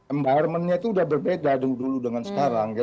environment nya itu udah berbeda dulu dengan sekarang